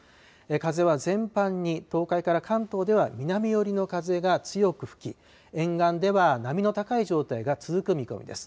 風は全般に、東海から関東では南寄りの風が強く吹き、沿岸では波の高い状態が続く見込みです。